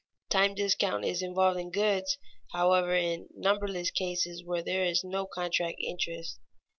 Time discount is involved in goods, however, in numberless cases where there is no contract interest.